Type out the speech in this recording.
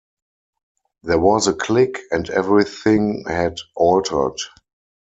There was a click, and everything had altered.